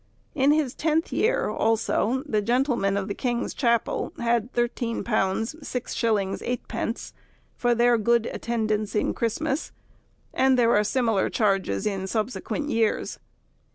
In his tenth year, also, the gentlemen of the king's chapel had £13 6_s._ 8_d._ for their good attendance in Christmas, and there are similar charges in subsequent years.